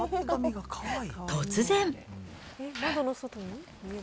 突然。